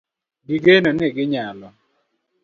Gi geno ni ginyalo